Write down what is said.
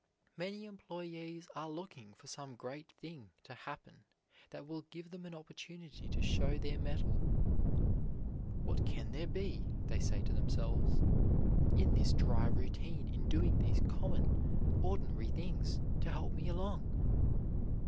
Many employees are looking for some great thing to happen that will give them an opportunity to show their mettle. "What can there be," they say to themselves, "in this dry routine, in doing these common, ordinary things, to help me along?"